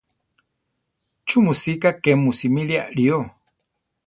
¿Chú mu sika ké mu simire aʼrío?